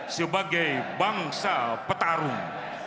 sebagai bangsa petarung